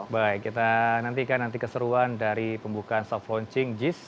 baik kita nantikan nanti keseruan dari pembukaan soft launching jis